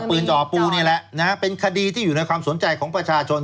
จ่อปูนี่แหละนะฮะเป็นคดีที่อยู่ในความสนใจของประชาชน